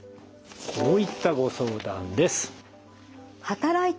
こういったご相談です。